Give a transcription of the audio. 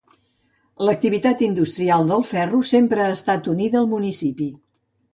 L'activitat industrial del ferro sempre ha estat unida al municipi.